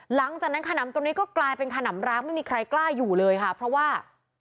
หลังจากนั้นขนำตรงนี้ก็กลายเป็นขนำร้างไม่มีใครกล้าอยู่เลยค่ะเพราะว่า